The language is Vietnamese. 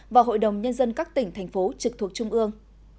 và hội đồng nhân dân các tỉnh thành phố trực thuộc trung ương